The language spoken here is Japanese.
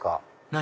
何？